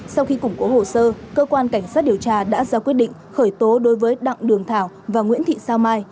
sau khi củng cố hồ sơ cơ quan cảnh sát điều tra đã ra quyết định khởi tố đối với đặng đường thảo và nguyễn thị sao mai